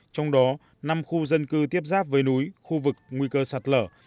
trong đó năm khu dân cư tiếp giáp với núi khu vực nguy cơ sạt lở